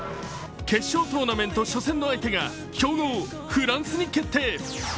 決勝トーナメント初戦の相手が強豪フランスに決定。